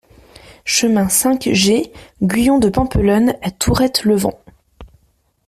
Chemin cinq G Guyon de Pampelonne à Tourrette-Levens